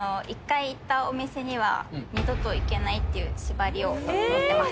私は１回行ったお店には二度と行けないっていう縛りを持ってます。